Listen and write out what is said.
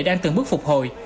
đang từng bước phục hồi